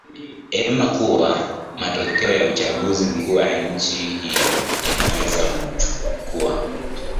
ema kuwa matokeo ya uchaguzi mkuu wa nchi hiyo yanaweza kuchukua